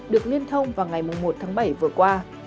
được liên thông vào ngày một tháng bảy vừa qua